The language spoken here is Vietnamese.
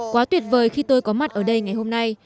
quá tuyệt vời khi tôi có mặt ở đây ngày hôm nay